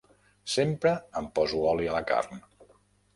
Sempre em poso oli a la carn.